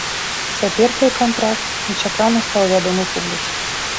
Цяпер той кантракт нечакана стаў вядомы публіцы.